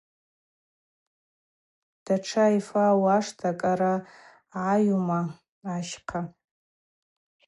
Датша йфа ауашта кӏара гӏайума ащхъа.